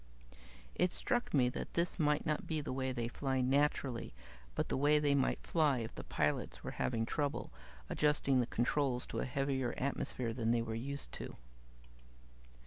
"It struck me that this might not be the way they fly, naturally, but the way they might fly if the pilots were having trouble adjusting the controls to a heavier atmosphere than they were used to."